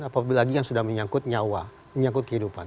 apalagi yang sudah menyangkut nyawa menyangkut kehidupan